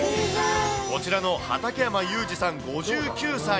こちらの畠山裕二さん５９歳。